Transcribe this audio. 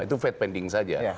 itu fate pending saja